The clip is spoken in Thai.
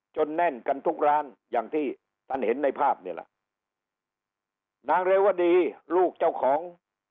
แน่นกันทุกร้านอย่างที่ท่านเห็นในภาพนี่แหละนางเรวดีลูกเจ้าของ